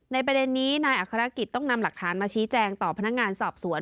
ประเด็นนี้นายอัครกิจต้องนำหลักฐานมาชี้แจงต่อพนักงานสอบสวน